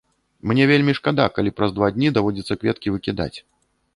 Мне вельмі шкада, калі праз два дні даводзіцца кветкі выкідаць.